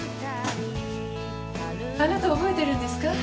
あなた覚えてるんですか？